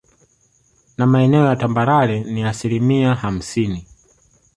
Na maeneo ya tambarare ni asilimia hamsini